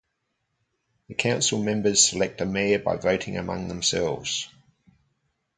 The council members select a mayor by voting among themselves.